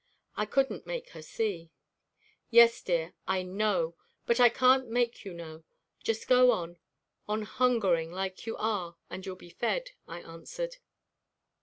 I couldn't make her see. "Yes, dear, I know but I can't make you know. Just go on on hungering like you are and you'll be fed," I answered.